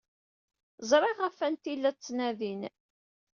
Ẓriɣ ɣef wanta ay la ttnadin.